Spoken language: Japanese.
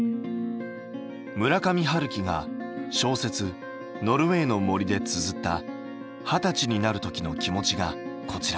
村上春樹が小説「ノルウェイの森」でつづった二十歳になるときの気持ちがこちら。